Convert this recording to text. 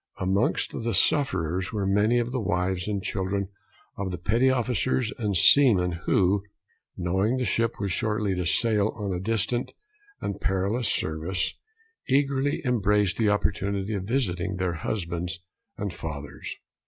Amongst the sufferers were many of the wives and children of the petty officers and seamen, who, knowing the ship was shortly to sail on a distant and perilous service, eagerly embraced the opportunity of visiting their husbands and fathers.